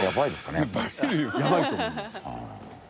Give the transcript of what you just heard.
やばいと思います。